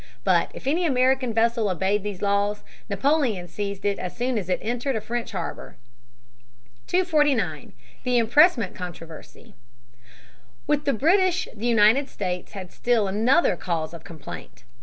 But if any American vessel obeyed these laws, Napoleon seized it as soon as it entered a French harbor. [Sidenote: Impressment. Eggleston, 240.] 249. The Impressment Controversy. With the British the United States had still another cause of complaint.